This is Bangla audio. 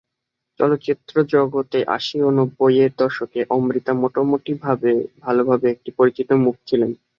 চলচ্চিত্র জগতে আশি এবং নব্বইয়ের দশকে অমৃতা মোটামুটিভাবে ভালোই একজন পরিচিত মুখ ছিলেন।